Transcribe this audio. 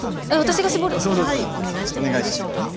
私が搾る⁉お願いしてもいいでしょうか？